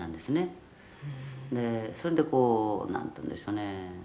「それでこうなんていうんでしょうね」